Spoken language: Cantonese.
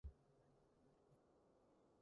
你依家龜縮呀？